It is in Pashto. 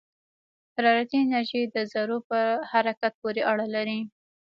حرارتي انرژي د ذرّو په حرکت پورې اړه لري.